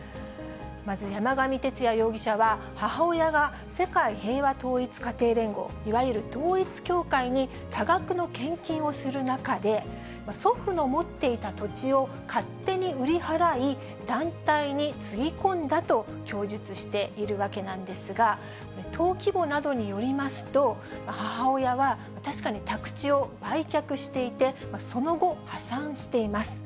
まず山上徹也容疑者は、母親が世界平和統一家庭連合、いわゆる統一教会に、多額の献金をする中で、祖父の持っていた土地を勝手に売り払い、団体につぎ込んだと供述しているわけなんですが、登記簿などによりますと、母親は確かに宅地を売却していて、その後、破産しています。